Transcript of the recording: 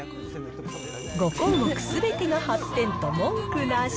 ５項目すべてが８点と、文句なし。